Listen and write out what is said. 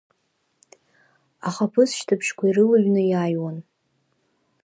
Ахаԥыцшьҭыбжьқәа ирылҩны иааҩуан…